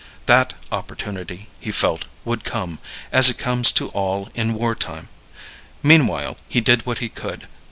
That opportunity, he felt, would come, as it comes to all in war time. Meanwhile he did what he could.